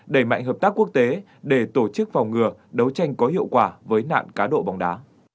đẩy mạnh hợp tác quốc tế để tổ chức phòng ngừa đấu tranh có hiệu quả với nạn cá độ bóng đá